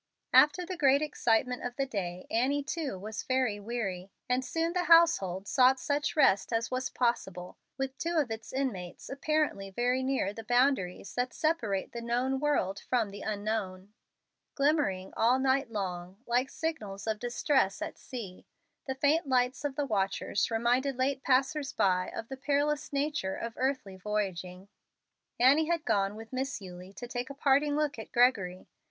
After the great excitement of the day, Annie, too, was very weary, and soon the household sought such rest as was possible with two of its inmates apparently very near the boundaries that separate the known world from the unknown. Glimmering all night long, like signals of distress at sea, the faint lights of the watchers reminded late passers by of the perilous nature of earthly voyaging. Annie had gone with Miss Eulie to take a parting look at Gregory.